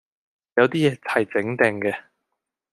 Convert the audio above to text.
有啲野係整定嘅